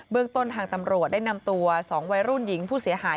เรื่องต้นทางตำรวจได้นำตัว๒วัยรุ่นหญิงผู้เสียหาย